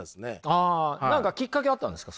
あ何かきっかけあったんですか？